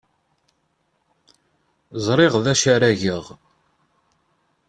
Ẓriɣ d acu ara geɣ.